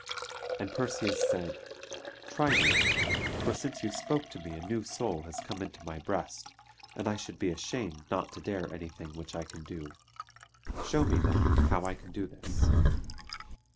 And Perseus said, "Try me; for since you spoke to me a new soul has come into my breast, and I should be ashamed not to dare anything which I can do. Show me, then, how I can do this!"